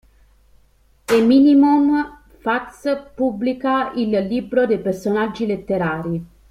E Minimum Fax pubblica "Il libro dei personaggi letterari.